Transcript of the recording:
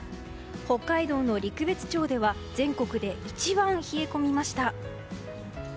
北海道の陸別町では全国で一番冷え込みました。